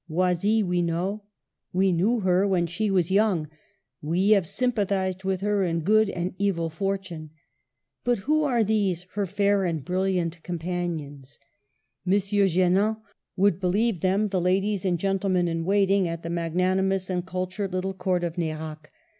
Oisille we know; we knew her when she was young ; we have sympathized with her in good and evil fortune. But v/ho are these, her fair and briUiant companions? M. Genin would be lieve them the ladies and gentlemen in waiting at the magnanimous and cultured little Court of Nerac.